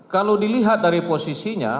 kalau dilihat dari posisinya